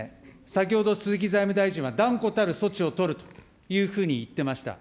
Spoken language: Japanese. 先ほど、鈴木財務大臣は断固たる措置を取るというふうに言ってました。